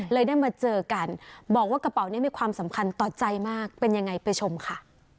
ได้มาเจอกันบอกว่ากระเป๋านี้มีความสำคัญต่อใจมากเป็นยังไงไปชมค่ะ